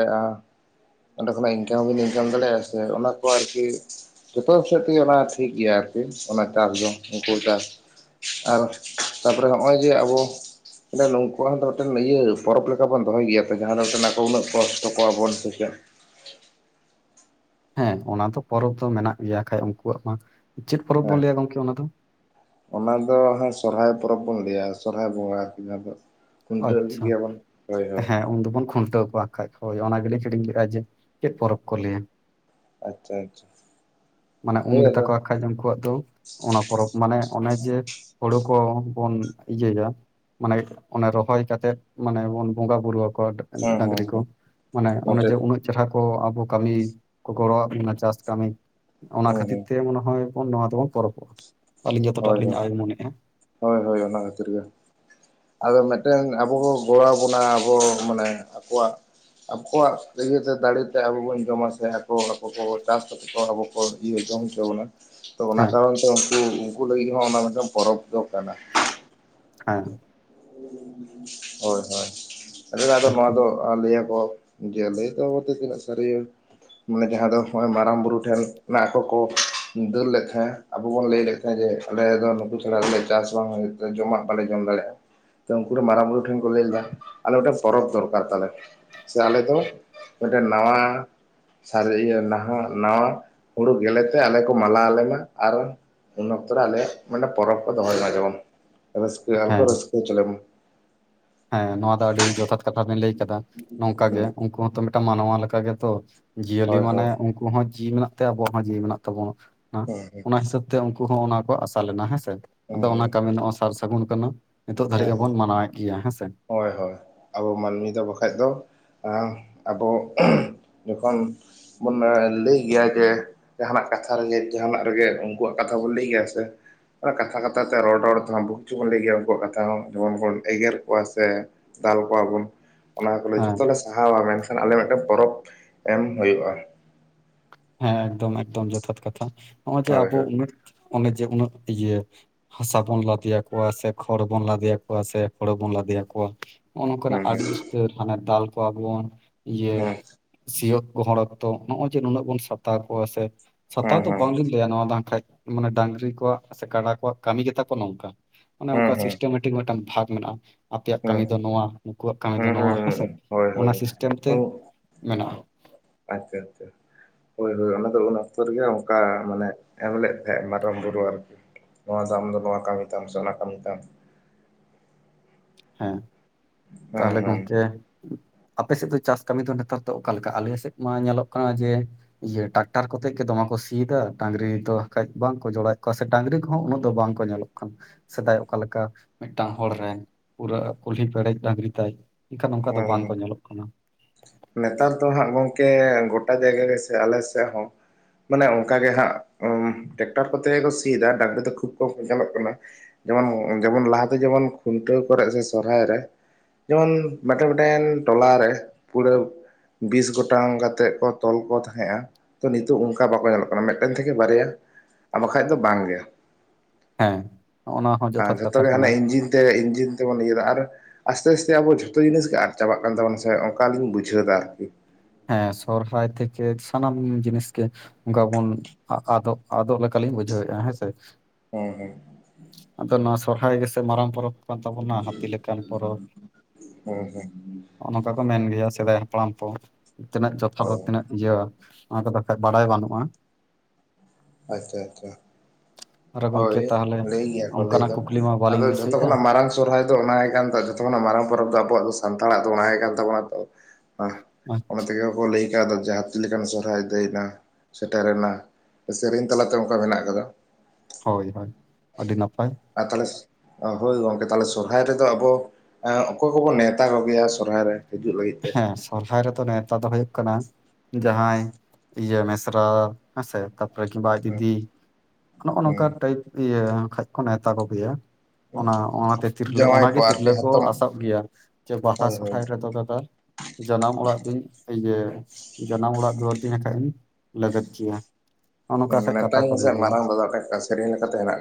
Speaker 1: ᱚᱸᱰᱮ ᱠᱷᱚᱱᱟᱜ ᱤᱱᱠᱟᱢ ᱦᱚᱵᱤᱱ ᱤᱱᱠᱟᱢ ᱫᱟᱲᱮᱭᱟᱜ-ᱟ, ᱥᱮ ᱚᱱᱟ ᱠᱚ ᱟᱨᱠᱤ ᱡᱚᱛᱚ ᱥᱮᱫ ᱛᱤᱜᱤ ᱚᱱᱟ ᱴᱷᱤᱠ ᱜᱤᱭᱟ᱾ ᱟᱨᱠᱤ ᱚᱱᱟ ᱪᱟᱥ ᱫᱚ ᱩᱝᱠᱩ ᱪᱟᱥ ᱟᱨ ᱛᱟᱯᱚᱨᱮ ᱦᱚᱜ-ᱚᱭ ᱡᱮ ᱟᱵᱚ ᱢᱟᱱᱮ ᱱᱩᱝᱠᱩᱣᱟᱜ ᱦᱚᱸ ᱫᱚ ᱢᱤᱫᱴᱮᱱ ᱤᱭᱟᱹ ᱯᱚᱨᱚᱵᱽ ᱞᱮᱠᱟ ᱵᱚᱱ ᱫᱚᱦᱚᱭ ᱜᱮᱭᱟ ᱛᱚ ᱡᱟᱦᱟᱸ ᱫᱚ ᱢᱤᱫᱴᱮᱱ ᱟᱠᱚ ᱩᱱᱟᱹᱜ ᱠᱚᱥᱴᱚ ᱠᱚᱣᱟᱵᱚᱱ ᱥᱮ ᱪᱮᱫ?
Speaker 2: ᱦᱮᱸ ᱚᱱᱟ ᱫᱚ ᱯᱚᱨᱚᱵᱽ ᱫᱚ ᱢᱮᱱᱟᱜ ᱜᱮᱭᱟ ᱠᱷᱟᱱ ᱩᱱᱠᱩᱣᱟᱜ ᱢᱟ, ᱪᱮᱫ ᱯᱚᱨᱚᱵᱽ ᱵᱚᱱ
Speaker 1: ᱦᱮᱸ
Speaker 2: ᱞᱟᱹᱭᱟ ᱜᱚᱝᱠᱮ ᱚᱱᱟ ᱫᱚ?.
Speaker 1: ᱚᱱᱟ ᱫᱚ ᱚᱱᱮ ᱥᱚᱨᱦᱟᱭ ᱯᱚᱨᱚᱵᱽ ᱵᱚᱱ ᱞᱟᱹᱭᱟ᱾ ᱥᱚᱨᱦᱟᱭ ᱵᱚᱸᱜᱟ ᱠᱤ ᱡᱟᱦᱟᱸ ᱫᱚ ᱠᱷᱩᱱᱴᱟᱹᱣ
Speaker 2: ᱟᱪᱷᱟ,
Speaker 1: ᱜᱮᱭᱟᱵᱚᱱ ᱦᱳᱭ ᱦᱳᱭ
Speaker 2: ᱦᱮᱸ ᱩᱱ ᱫᱩᱵᱩᱱ ᱠᱷᱩᱱᱴᱟᱹᱣ ᱠᱚᱣᱟ᱾ ᱠᱷᱟᱡ ᱦᱳᱭ ᱚᱱᱟᱜᱮᱞᱤᱧ ᱦᱤᱨᱤᱧ ᱠᱮᱫᱟ ᱡᱮ ᱪᱮᱫ ᱯᱚᱨᱚᱵᱽ ᱠᱚ ᱞᱟᱹᱭᱟ᱾
Speaker 1: ᱟᱪᱪᱷᱟ ᱟᱪᱪᱷᱟ
Speaker 2: ᱢᱟᱱᱮ ᱩᱱ
Speaker 1: ᱦᱳᱭ
Speaker 2: ᱜᱮ
Speaker 1: ᱟᱫᱚ
Speaker 2: ᱛᱟᱠᱚᱣᱟ᱾ ᱵᱟᱠᱷᱟᱡ ᱩᱱᱠᱩᱣᱟᱜ ᱫᱚ ᱚᱱᱟ ᱯᱚᱨᱚᱵᱽ ᱢᱟᱱᱮ ᱚᱱᱮ ᱡᱮ ᱦᱳᱲᱳ ᱠᱚ ᱵᱚᱱ ᱤᱭᱟᱹᱭᱟ᱾ ᱢᱟᱱᱮ ᱚᱱᱮ ᱨᱚᱦᱚᱭ ᱠᱟᱛᱮᱜ ᱢᱟᱱᱮ ᱵᱩᱱ ᱵᱚᱸᱜᱟ ᱵᱩᱨᱩ ᱟᱠᱚᱣᱟ
Speaker 1: ᱦᱮᱸ
Speaker 2: ᱰᱟᱝᱨᱤ
Speaker 1: ᱦᱮᱸ
Speaker 2: ᱠᱚ᱾
Speaker 1: ᱦᱮᱸ
Speaker 2: ᱢᱟᱱᱮ ᱚᱱᱮ ᱡᱮ
Speaker 1: ᱢᱤᱫᱴᱮᱡ
Speaker 2: ᱩᱱᱟᱹᱜ ᱡᱟᱦᱟᱸ ᱠᱚ ᱟᱵᱚ ᱠᱟᱹᱢᱤ ᱠᱚ ᱜᱚᱲᱚᱭᱟᱜ ᱵᱚᱱᱟ ᱪᱟᱥ ᱠᱟᱹᱢᱤ᱾ ᱚᱱᱟ
Speaker 1: ᱦᱮᱸ
Speaker 2: ᱠᱷᱟᱹᱛᱤᱨ
Speaker 1: ᱦᱮᱸ
Speaker 2: ᱛᱮ ᱢᱚᱱᱮ ᱦᱚᱭ ᱱᱚᱣᱟ ᱛᱮᱵᱚᱱ ᱯᱚᱨᱚᱵᱽᱚᱜ-ᱟ᱾ ᱟᱹᱞᱤᱧ ᱡᱚᱛᱚᱴᱟᱜ
Speaker 1: ᱦᱳᱭ
Speaker 2: ᱞᱤᱧ
Speaker 1: ᱦᱳᱭ
Speaker 2: ᱟᱭ ᱩᱢᱟᱹᱱᱮᱜ-ᱟ,
Speaker 1: ᱦᱳᱭ ᱦᱳᱭ, ᱚᱱᱟ ᱵᱷᱮᱛᱤᱨ ᱨᱮᱜᱮ᱾ ᱟᱫᱚ ᱢᱤᱫᱴᱮᱱ ᱟᱵᱚ ᱱᱚ ᱜᱚᱲᱚ ᱟᱵᱚᱱᱟ ᱟᱵᱚ ᱢᱟᱱᱮ ᱟᱠᱚᱣᱟᱜ ᱟᱠᱚᱣᱟᱜ ᱤᱭᱟᱹᱛᱮ ᱫᱟᱲᱮᱛᱮ ᱟᱵᱚ ᱵᱚᱱ ᱡᱚᱢᱟ ᱥᱮ ᱟᱠᱚ ᱟᱠᱚ ᱠᱚ ᱪᱟᱥ ᱠᱟᱛᱮ ᱠᱚ ᱟᱵᱚ ᱦᱚᱲ ᱤᱨ ᱡᱚᱢ ᱩᱪᱩ ᱵᱩᱱᱟ᱾ ᱛᱚ ᱚᱱᱟ
Speaker 2: ᱦᱮᱸ
Speaker 1: ᱠᱟᱨᱚᱱ ᱛᱮ ᱩᱝᱠᱩ ᱩᱝᱠᱩ ᱞᱟᱹᱜᱤᱫ ᱦᱚᱸ ᱚᱱᱟ ᱢᱤᱫᱴᱮᱱ ᱯᱚᱨᱚᱵᱽ ᱫᱚ ᱠᱟᱱᱟ᱾
Speaker 2: ᱦᱮᱸ
Speaker 1: ᱦᱳᱭ ᱦᱳᱭ, ᱟᱫᱚ ᱱᱚᱣᱟ
Speaker 2: ᱮᱠᱫᱚᱢ
Speaker 1: ᱫᱚ ᱟᱞᱮᱭᱟ ᱠᱚ, ᱡᱮᱞᱮ ᱛᱵ ᱛᱤᱱᱟᱹᱜ ᱥᱟᱹᱨ ᱢᱟᱱᱮ ᱡᱟᱦᱟᱸ ᱫᱚ ᱱᱚᱜ-ᱚᱭ ᱢᱟᱨᱟᱝ ᱵᱩᱨᱩ ᱴᱷᱮᱱ ᱢᱮᱱᱟᱜ ᱠᱚ ᱠᱚ ᱫᱟᱹᱞ ᱞᱮᱠᱷᱟᱡ ᱟᱵᱚ ᱵᱚᱱ ᱞᱟᱹᱭ ᱞᱮᱠᱷᱟᱡ ᱡᱮ ᱟᱞᱮ ᱫᱚ ᱱᱩᱠᱩ ᱪᱷᱟᱲᱟ ᱟᱞᱮ ᱪᱟᱥ ᱵᱟᱝ ᱦᱩᱭᱩᱜ ᱡᱚᱢᱟᱜ ᱵᱟᱞᱮ ᱡᱚᱢ ᱫᱟᱲᱮᱭᱟᱜ-ᱟ ᱛᱚ ᱩᱱᱠᱩ ᱨᱮᱱ ᱢᱟᱨᱟᱝ ᱵᱩᱨᱩ ᱴᱷᱮᱱ ᱠᱚ ᱞᱟᱹᱭ ᱞᱮᱫᱟ ᱟᱞᱮ ᱢᱤᱫᱴᱮᱱ ᱯᱚᱨᱚᱵᱽ ᱫᱚᱨᱠᱟᱨ ᱛᱟᱞᱮ, ᱥᱮ ᱟᱞᱮ ᱫᱚ ᱢᱤᱫᱴᱮᱱ ᱱᱟᱣᱟ ᱥᱟᱹᱨᱤ ᱤᱭᱟᱹ ᱱᱟᱦᱟᱜ ᱱᱟᱣᱟ ᱦᱩᱲᱩ ᱜᱮᱞᱮᱛᱮ ᱟᱞᱮ ᱠᱚ ᱢᱟᱞᱟ ᱟᱞᱮᱢᱟ᱾ ᱟᱨ ᱩᱱ ᱚᱠᱛᱚ ᱨᱮ ᱟᱞᱮᱭᱟᱜ ᱢᱟᱱᱮ ᱯᱚᱨᱚᱵᱽ ᱠᱚ ᱫᱚᱦᱚᱭ ᱢᱟ ᱡᱮᱢᱚᱱ ᱨᱟᱹᱥᱠᱟᱹ ᱟᱨ ᱠᱚ
Speaker 2: ᱦᱮᱸ
Speaker 1: ᱨᱟᱹᱥᱠᱟᱹ ᱩᱪᱚ ᱞᱮᱢᱚᱱ
Speaker 2: ᱦᱮᱸ ᱱᱚᱣᱟ ᱫᱚ ᱟᱹᱰᱤ ᱡᱚᱛᱷᱟᱛ ᱠᱟᱛᱷᱟ ᱵᱮᱱ ᱞᱟᱹᱭ ᱠᱟᱫᱟ᱾ ᱱᱚᱝᱠᱟ
Speaker 1: ᱦᱩᱸ
Speaker 2: ᱜᱮ ᱩᱱᱠᱩ ᱦᱚᱸᱛᱚ ᱢᱤᱫᱴᱟᱝ ᱢᱟᱱᱣᱟ ᱞᱮᱠᱟ ᱜᱮᱛᱚ᱾ ᱡᱤᱭᱟᱹᱞᱤ
Speaker 1: ᱦᱳᱭ ᱦᱳᱭ
Speaker 2: ᱢᱟᱱᱮ
Speaker 1: ᱦᱩᱸ
Speaker 2: ᱩᱱᱠᱩ ᱦᱚᱸ ᱡᱤᱣᱤ ᱢᱮᱱᱟᱜ ᱛᱮ ᱟᱵᱚᱣᱟᱜ ᱦᱚᱸ ᱡᱤᱣᱤ ᱢᱮᱱᱟᱜ ᱛᱟᱵᱚᱱᱟ᱾ ᱦᱟᱸ
Speaker 1: ᱦᱩᱸ ᱦᱩᱸ
Speaker 2: ᱚᱱᱟ ᱦᱤᱥᱟᱹᱵ ᱛᱮ ᱛᱮ ᱩᱱᱠᱩ ᱦᱚᱸ ᱚᱱᱟ ᱠᱚ ᱟᱥᱟ ᱞᱮᱱᱟ ᱦᱮᱸᱥᱮ᱾ ᱟᱫᱚ
Speaker 1: ᱦᱩᱸ
Speaker 2: ᱚᱱᱟ
Speaker 1: ᱦᱮᱸ
Speaker 2: ᱠᱟᱹᱢᱤ ᱱᱚᱜ-ᱚᱭ ᱥᱟᱨ ᱥᱟᱹᱜᱩᱱ ᱠᱟᱱᱟ᱾ ᱱᱤᱛᱚᱜ ᱫᱷᱟᱹᱨᱤᱡ ᱦᱚᱵᱚᱱ
Speaker 1: ᱦᱮᱸ
Speaker 2: ᱢᱟᱱᱟᱣᱮᱫ ᱜᱮᱭᱟ᱾ ᱦᱟᱸᱜ
Speaker 1: ᱦᱳᱭ ᱦᱳᱭ, ᱟᱵᱚ ᱢᱟᱹᱱᱢᱤ ᱫᱚ ᱵᱟᱠᱷᱟᱡ ᱫᱚ ᱟᱸ ᱟᱵᱚ ᱡᱚᱠᱷᱚᱱ ᱵᱚᱱ ᱞᱟᱹᱭ ᱜᱮᱭᱟ ᱡᱮ ᱡᱟᱦᱟᱱᱟᱜ ᱠᱟᱛᱷᱟ ᱨᱮᱜᱮ ᱡᱟᱦᱟᱱᱟᱜ ᱨᱮᱜᱮ ᱩᱝᱠᱩᱣᱟᱜ ᱠᱟᱛᱷᱟ ᱵᱚᱱ ᱞᱟᱹᱭ ᱜᱮᱭᱟ ᱥᱮ᱾ ᱚᱱᱟ ᱠᱟᱛᱷᱟ ᱠᱟᱛᱷᱟ ᱛᱮ ᱨᱚᱲ ᱨᱚᱲ ᱛᱮᱦᱚᱸ ᱵᱚᱦᱩᱛ ᱠᱤᱪᱷᱩ ᱵᱚᱱ ᱞᱟᱹᱭ ᱜᱮᱭᱟ ᱩᱝᱠᱩᱣᱟᱜ ᱠᱟᱛᱷᱟ᱾ ᱡᱮᱢᱚᱱ ᱵᱚᱱ ᱮᱜᱮᱨ ᱠᱚᱣᱟ ᱥᱮ ᱫᱟᱞ ᱠᱚᱣᱟ ᱵᱚᱱ ᱚᱱᱟ ᱠᱚᱞᱮ
Speaker 2: ᱦᱮᱸ
Speaker 1: ᱡᱷᱚᱛᱚ ᱞᱮ ᱥᱟ ᱥᱟᱦᱟᱣᱟ ᱢᱮᱱᱠᱷᱟᱱ ᱟᱞᱮ ᱢᱮᱴᱮᱱ ᱯᱚᱨᱚᱵᱽ ᱮᱢ ᱦᱩᱭᱩᱜᱼᱟ᱾
Speaker 2: ᱦᱮᱸ ᱮᱠᱫᱚᱢ ᱮᱠᱫᱚᱢ ᱡᱚᱛᱷᱟᱛ ᱠᱟᱛᱷᱟ, ᱦᱚᱸᱜᱼᱚᱭ ᱡᱮ
Speaker 1: ᱦᱳᱭ
Speaker 2: ᱟᱵᱚ
Speaker 1: ᱦᱳᱭ
Speaker 2: ᱩᱱᱟᱹᱜ ᱚᱱᱮ ᱡᱮ ᱩᱱᱟᱹᱜ ᱤᱭᱟᱹ ᱦᱟᱥᱟ ᱵᱚᱱ ᱞᱟᱫᱮᱭᱟᱠᱚᱣᱟ ᱥᱮ ᱠᱷᱚᱲ ᱵᱚᱱ ᱞᱟᱫᱮᱭᱟᱠᱚᱣᱟ ᱥᱮ ᱦᱳᱲᱳ ᱵᱚᱱ ᱞᱟᱫᱮᱭᱟᱠᱚᱣᱟ᱾ ᱚᱱᱚᱠᱟᱱᱟᱜ
Speaker 1: ᱦᱩᱸ
Speaker 2: ᱟᱹᱰᱤ ᱤᱥᱛᱟᱹᱨ ᱦᱟᱱᱮ ᱫᱟᱞ ᱠᱚᱣᱟ ᱵᱚᱱ ᱤᱭᱟᱹ
Speaker 1: ᱦᱩᱸ
Speaker 2: ᱥᱤᱭᱳᱛ ᱜᱚᱦᱚᱲ ᱚᱠᱛᱚ ᱱᱚᱜᱼᱚᱭ ᱡᱮ ᱱᱩᱱᱟᱹᱜ ᱵᱚᱱ ᱥᱟᱛᱟᱣ ᱠᱚᱣᱟ ᱥᱮ ᱥᱟᱛᱟᱣ
Speaker 1: ᱦᱩᱸ ᱦᱩᱸ
Speaker 2: ᱫᱚ
Speaker 1: ᱦᱩᱸ
Speaker 2: ᱵᱟᱝᱞᱤᱧ ᱞᱟᱹᱭᱟ ᱱᱚᱣᱟ ᱫᱚ ᱟᱝ ᱠᱷᱟᱡ ᱢᱟᱱᱮ ᱰᱟᱝᱨᱤ ᱠᱚᱣᱟᱜ ᱥᱮ ᱠᱟᱰᱟ ᱠᱚᱣᱟᱜ ᱠᱟᱹᱢᱤ ᱜᱮᱛᱟ ᱠᱚ ᱱᱚᱝᱠᱟ᱾ ᱚᱱᱮ ᱚᱝᱠᱟ
Speaker 1: ᱦᱩᱸ ᱦᱩᱸ
Speaker 2: ᱥᱤᱥᱴᱮᱢᱮᱴᱤᱠ ᱢᱤᱫᱴᱟᱱ ᱵᱷᱟᱜᱽ ᱢᱮᱱᱟᱜᱼᱟ᱾ ᱟᱯᱮᱭᱟᱜ
Speaker 1: ᱦᱩᱸ
Speaker 2: ᱠᱟᱹᱢᱤ ᱫᱚ ᱱᱚᱣᱟ, ᱱᱩᱠᱩᱣᱟᱜ ᱠᱟᱹᱢᱤ ᱫᱚ
Speaker 1: ᱦᱩᱸ ᱦᱩᱸ ᱦᱩᱸ
Speaker 2: ᱱᱚᱣᱟ
Speaker 1: ᱦᱩᱸ
Speaker 2: ᱦᱮᱸᱥᱮ,
Speaker 1: ᱦᱳᱭ ᱦᱳᱭ
Speaker 2: ᱚᱱᱟ ᱥᱤᱥᱴᱮᱢ ᱛᱮ
Speaker 1: ᱩᱸ
Speaker 2: ᱢᱮᱱᱟᱜᱼᱟ᱾
Speaker 1: ᱟᱪᱪᱷᱟ ᱟᱪᱪᱷᱟ᱾ ᱦᱳᱭ ᱦᱳᱭ ᱚᱱᱟᱫᱚ ᱩᱱ ᱚᱠᱛᱚ ᱨᱮᱜᱮ ᱚᱱᱠᱟ ᱢᱟᱱᱮ ᱮᱢ ᱞᱮᱫ ᱛᱟᱦᱮᱸᱜ ᱢᱟᱨᱟᱝ ᱵᱩᱨᱩ ᱟᱨᱠᱤ᱾ ᱱᱚᱣᱟ ᱫᱚ ᱟᱢ ᱫᱚ ᱱᱚᱣᱟ ᱠᱟᱹᱢᱤ ᱛᱟᱢ ᱥᱮ ᱚᱱᱟ ᱠᱟᱹᱢᱤ ᱛᱟᱢ᱾
Speaker 2: ᱦᱮᱸ,
Speaker 1: ᱦᱮᱸ
Speaker 2: ᱛᱟᱦᱞᱮ
Speaker 1: ᱦᱮᱸ
Speaker 2: ᱜᱚᱝᱠᱮ ᱟᱯᱮ ᱥᱮᱫ ᱫᱚ ᱪᱟᱥ ᱠᱟᱹᱢᱤ ᱫᱚ ᱱᱮᱛᱟᱨ ᱫᱚ ᱚᱠᱟ ᱞᱮᱠᱟ? ᱟᱞᱮ ᱥᱮᱫ ᱢᱟ ᱧᱮᱞᱚᱜ ᱠᱟᱱᱟ ᱡᱮ ᱤᱭᱟᱹ ᱴᱟᱠᱴᱟᱨ ᱠᱚᱛᱮᱜ ᱜᱮ ᱫᱚᱢᱮ ᱠᱚ ᱥᱤᱭ ᱫᱟ ᱰᱟᱝᱨᱤ ᱫᱚ ᱠᱟᱡ ᱵᱟᱝᱠᱚ ᱡᱚᱲᱟᱣ ᱮᱫ ᱠᱚᱣᱟ, ᱥᱮ ᱰᱟᱝᱨᱤ ᱠᱚᱦᱚᱸ ᱩᱱᱟᱹᱜ ᱫᱚ ᱵᱟᱝ ᱠᱚ ᱧᱮᱞᱚᱜ ᱠᱟᱱ, ᱥᱮᱫᱟᱭ ᱚᱠᱟ ᱞᱮᱠᱟ ᱢᱤᱫᱴᱟᱝ ᱦᱚᱲ ᱨᱮᱱ ᱯᱩᱨᱟᱹ ᱠᱩᱞᱦᱤ ᱯᱮᱨᱮᱡ ᱰᱟᱝᱨᱤ ᱛᱟᱭ, ᱮᱠᱷᱟᱱ ᱚᱝᱠᱟ ᱫᱚ
Speaker 1: ᱦᱮᱸ
Speaker 2: ᱵᱟᱝ ᱠᱚ
Speaker 1: ᱦᱮᱸ
Speaker 2: ᱧᱮᱞᱚᱜ ᱠᱟᱱᱟ᱾
Speaker 1: ᱱᱮᱛᱟᱨ ᱫᱚ ᱦᱟᱸᱜ ᱜᱚᱝᱠᱮ ᱜᱳᱴᱟ ᱡᱟᱭᱜᱟ ᱜᱮ ᱥᱮ ᱟᱞᱮ ᱥᱮᱫ ᱦᱚᱸ᱾ ᱢᱟᱱᱮ ᱚᱝᱠᱟ ᱜᱮ ᱦᱟᱸᱜ ᱴᱮᱠᱴᱟᱨ ᱠᱚᱛᱮ ᱜᱮ ᱠᱚ ᱥᱤᱭᱫᱟ ᱰᱟᱝᱨᱤ ᱫᱚ ᱠᱷᱩᱵ ᱠᱚᱢ ᱜᱮᱠᱚ ᱧᱮᱞᱚᱜ ᱠᱟᱱᱟ᱾ ᱡᱮᱢᱚᱱ ᱡᱮᱢᱚᱱ ᱞᱟᱦᱟ ᱫᱚ ᱡᱮᱢᱚᱱ ᱠᱷᱩᱱᱴᱟᱹᱣ ᱠᱚᱨᱮ ᱥᱮ ᱥᱚᱨᱦᱟᱭ ᱨᱮ, ᱡᱮᱢᱚᱱ ᱢᱮᱴᱮᱱ ᱢᱮᱴᱮᱱ ᱴᱚᱞᱟ ᱨᱮ ᱯᱩᱨᱟᱹᱣ ᱵᱤᱥ ᱜᱚᱴᱟᱝ ᱠᱟᱛᱮᱫ ᱠᱚ ᱛᱚᱞ ᱠᱚ ᱛᱟᱦᱮᱸᱜᱼᱟ᱾ ᱛᱚ ᱱᱤᱛᱚᱜ ᱚᱝᱠᱟ ᱵᱟᱠᱚ ᱧᱮᱞᱚᱜ ᱠᱟᱱᱟ ᱢᱤᱫᱴᱮᱱ ᱛᱷᱮᱠᱮ ᱵᱟᱨᱭᱟ ᱟᱨ ᱵᱟᱠᱷᱟᱡ ᱫᱚ ᱵᱟᱝ ᱜᱮ᱾
Speaker 2: ᱦᱮᱸ ᱱᱚᱜᱼᱱᱟ ᱦᱚᱸ
Speaker 1: ᱟᱨ
Speaker 2: ᱡᱚᱛᱷᱟᱛ
Speaker 1: ᱡᱷᱚᱛᱚ
Speaker 2: ᱠᱟᱛᱷᱟ
Speaker 1: ᱜᱮ
Speaker 2: ᱠᱟᱱᱟ
Speaker 1: ᱦᱟᱱᱮ ᱤᱧᱡᱤᱱ ᱛᱮ ᱤᱧᱡᱤᱱ ᱡᱮᱢᱚᱱ ᱤᱭᱟᱹ ᱫᱟ ᱟᱨ ᱟᱥᱛᱮ ᱟᱥᱛᱮ ᱟᱵᱚ ᱡᱷᱚᱛᱚ ᱡᱤᱱᱤᱥ ᱜᱮ ᱟᱫ ᱪᱟᱵᱟᱜ ᱠᱟᱱ ᱛᱟᱵᱚᱱᱟ ᱥᱮ ᱚᱱᱠᱟᱞᱤᱧ ᱵᱩᱡᱷᱟᱹᱣ ᱫᱟ ᱟᱨᱠᱤ᱾
Speaker 2: ᱦᱮᱸ ᱥᱚᱨᱦᱟᱭ ᱛᱷᱮᱠᱮ ᱥᱟᱱᱟᱢ ᱡᱤᱱᱤᱥ ᱜᱮ ᱚᱱᱠᱟ ᱵᱚᱱ ᱟᱫᱚᱜ ᱟᱫᱚᱜ ᱞᱮᱠᱟᱞᱤᱧ ᱵᱩᱡᱷᱟᱹᱣ ᱮᱜᱼᱟ ᱦᱮᱸᱥᱮ᱾
Speaker 1: ᱦᱩᱸ ᱦᱩᱸ᱾
Speaker 2: ᱟᱫᱚ ᱱᱚᱣᱟ ᱥᱚᱨᱦᱟᱭ ᱜᱮᱥᱮ ᱢᱟᱨᱟᱝ ᱯᱚᱨᱚᱵᱽ ᱠᱟᱱ ᱛᱟᱵᱚᱱᱟ ᱦᱟᱹᱛᱤ ᱞᱮᱠᱟᱱ ᱯᱚᱨᱚᱵᱽ᱾
Speaker 1: ᱦᱩᱸ ᱦᱩᱸ
Speaker 2: ᱚᱱᱟ ᱫᱚᱠᱚ ᱢᱮᱱ ᱜᱮᱭᱟ ᱥᱮᱫᱟᱭ ᱦᱟᱯᱲᱟᱢ ᱠᱚ ᱛᱤᱱᱟᱹᱜ
Speaker 1: ᱚ
Speaker 2: ᱡᱚᱛᱷᱟᱛ ᱟᱨ ᱛᱤᱱᱟᱹᱜ ᱤᱭᱟᱹ ᱚᱱᱟ ᱫᱚ ᱵᱟᱠᱷᱟᱡ ᱵᱟᱰᱟᱭ ᱵᱟᱹᱱᱩᱜᱼᱟ᱾
Speaker 1: ᱟᱪᱪᱷᱟ ᱟᱪᱪᱷᱟ᱾
Speaker 2: ᱟᱨ ᱜᱚᱢᱠᱮ
Speaker 1: ᱦᱳᱭ
Speaker 2: ᱛᱟᱦᱚᱞᱮ
Speaker 1: ᱞᱟᱹᱭ ᱜᱮᱭᱟ ᱠᱚ ᱞᱟᱹᱭ
Speaker 2: ᱚᱱᱠᱟᱱᱟᱜ
Speaker 1: ᱫᱚ,
Speaker 2: ᱠᱩᱠᱞᱤ ᱢᱟ
Speaker 1: ᱟᱫᱚ
Speaker 2: ᱵᱟᱹᱞᱤᱧ
Speaker 1: ᱡᱷᱚᱛᱚ
Speaker 2: ᱫᱤᱥᱟᱹᱭᱮᱫᱼᱟ
Speaker 1: ᱠᱷᱚᱱᱟᱜ ᱢᱟᱨᱟᱝ ᱥᱚᱨᱦᱟᱭ ᱫᱚ ᱚᱱᱟ ᱜᱮ ᱠᱟᱱ ᱛ ᱡᱚᱛᱚ ᱠᱷᱚᱱᱟᱜ ᱢᱟᱨᱟᱝ ᱯᱚᱨᱚᱵᱽ ᱫᱚ ᱟᱵᱚᱣᱟᱜ ᱫᱚ ᱥᱟᱱᱛᱟᱲᱟᱜ ᱫᱚ ᱚᱱᱟ ᱜᱮ ᱠᱟᱱ ᱛᱟᱵᱚᱱᱟ ᱛᱚ᱾ ᱟᱨ ᱚᱱᱟ
Speaker 2: ᱟᱪᱪᱷᱟ
Speaker 1: ᱛᱮᱜᱮ ᱠᱚ ᱞᱟᱹᱭ ᱠᱟᱣᱫᱟ ᱡᱮ ᱦᱟᱛᱤ ᱞᱮᱠᱟᱱ ᱥᱚᱦᱨᱟᱭ ᱫᱟᱹᱭᱱᱟ᱾ ᱥᱮᱴᱮᱨᱮᱱᱟ, ᱥᱮᱨᱮᱧ ᱛᱟᱞᱟᱛᱮ ᱚᱝᱠᱟ ᱢᱮᱱᱟᱜ ᱠᱟᱫᱟ᱾
Speaker 2: ᱦᱳᱭ ᱦᱳᱭ, ᱟᱹᱰᱤ ᱱᱟᱯᱟᱭ᱾
Speaker 1: ᱟᱨ ᱛᱟᱦᱞᱮ ᱦᱳᱭ ᱜᱚᱝᱠᱮ ᱛᱟᱦᱞᱮ ᱥᱚᱨᱦᱟᱭ ᱨᱮᱫᱚ ᱟᱵᱚ ᱚᱠᱚᱭ ᱠᱚᱵᱚ ᱱᱮᱣᱛᱟ ᱠᱚᱜᱮᱭᱟ ᱥᱚᱨᱦᱟᱭ ᱨᱮ ᱦᱤᱡᱩᱜ ᱞᱟᱹᱜᱤᱫ ᱛᱮ
Speaker 2: ᱦᱮᱸ ᱥᱚᱨᱦᱟᱭ ᱨᱮᱫᱚ ᱱᱮᱣᱛᱟ ᱫᱚ ᱦᱩᱭᱩᱜ ᱠᱟᱱᱟ᱾ ᱡᱟᱦᱟᱸᱭ ᱤᱭᱟᱹ ᱢᱮᱥᱨᱟ ᱦᱮᱸᱥᱮ᱾ ᱨᱟᱡᱤᱵ ᱟᱡ ᱫᱤᱫᱤ ᱱᱚᱜ ᱚᱝᱠᱟᱱ ᱴᱭᱤᱯ ᱤᱭᱟᱹ ᱠᱷᱟᱡ ᱠᱚ ᱱᱮᱣᱛᱟ ᱠᱚ ᱜᱮᱭᱟ᱾ ᱚᱱᱟ ᱚᱱᱟᱛᱮ ᱛᱤᱨᱞᱟᱹ
Speaker 1: ᱡᱟᱶᱟᱭ
Speaker 2: ᱚᱱᱟᱜᱮ ᱛᱤᱨᱞᱟᱹ
Speaker 1: ᱟᱨᱠᱤ
Speaker 2: ᱠᱚ
Speaker 1: ᱦᱟᱛᱚᱢ
Speaker 2: ᱟᱥᱚᱵ ᱜᱮᱭᱟ ᱡᱮ ᱵᱟᱦᱟ
Speaker 1: ᱦᱳᱭ ᱦᱳᱭ
Speaker 2: ᱥᱚᱨᱦᱟᱭ ᱨᱮᱫᱚ ᱫᱟᱫᱟ ᱡᱟᱱᱟᱢ ᱚᱲᱟᱜ ᱫᱩᱧ ᱤᱭᱟᱹ ᱡᱟᱱᱟᱢ ᱚᱲᱟᱜ ᱫᱩᱣᱟᱹᱨ ᱫᱤᱧ ᱟᱠᱟᱫ ᱤᱧ᱾ ᱞᱟᱹᱜᱟᱹᱛ ᱜᱤᱭᱟ᱾
Speaker 1: ᱢᱮᱛᱟᱧ ᱢᱮᱥᱮ ᱢᱟᱨᱟᱝ ᱫᱟᱫᱟ ᱴᱟᱜ ᱥᱮᱨᱮᱧ ᱞᱮᱠᱟᱛᱮ ᱢᱮᱱᱟᱜ-ᱟ᱾